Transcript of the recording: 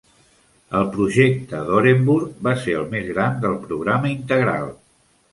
El projecte d'Orenburg va ser el més gran del Programa Integral.